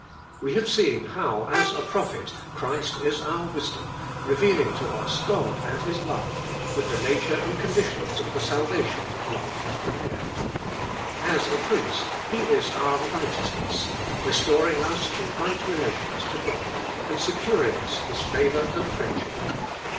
We have seen how, as a proph et, Christ is our wisdom, revealing to us God and His love, with the nature and conditions of the salva tion that love has prepared. As a priest, He is our righteousness, restoring us to right relations to God, and securing us His favour and friendship.